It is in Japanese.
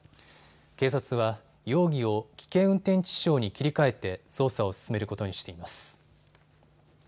警察は容疑を危険運転致死傷に切り替えて捜査を進めることにしています。